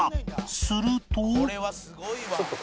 すると